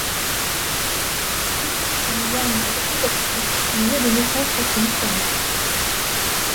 Tout comme pour Jan Belcikowski, le lieu de naissance reste mystérieux.